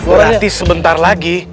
berarti sebentar lagi